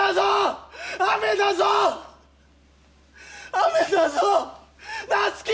雨だぞ夏希！！